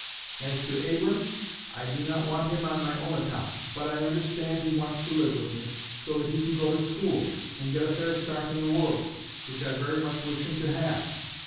As to Abram, I do not want him on my own account; but I understand he wants to live with me, so that he can go to school, and get a fair start in the world, which I very much wish him to have.